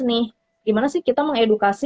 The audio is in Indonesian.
nih gimana sih kita mengedukasi